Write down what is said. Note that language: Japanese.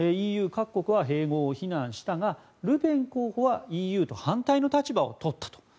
ＥＵ各国は併合を非難したがルペン候補はＥＵと反対の立場をとったと。